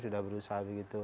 sudah berusaha begitu